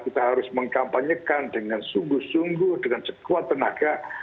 kita harus mengkampanyekan dengan sungguh sungguh dengan sekuat tenaga